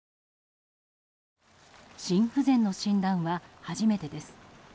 心不全の診断は初めてです。